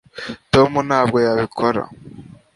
tom ntabwo yabikora